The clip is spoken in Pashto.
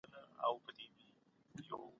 کمپيوټر ويبلاګ ليکي.